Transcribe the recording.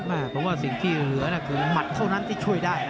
เพราะว่าสิ่งที่เหลือคือหมัดเท่านั้นที่ช่วยได้นะ